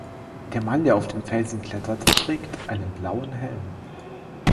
Der Mann, der auf den Felsen klettert, trägt einen blauen Helm.